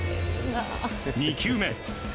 ２球目。